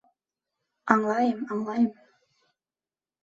Аңлайым, аңлайым!